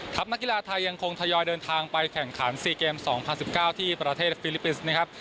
นักกีฬาไทยยังคงทยอยเดินทางไปแข่งขัน๔เกม๒๐๑๙ที่ประเทศฟิลิปปินส์นะครับ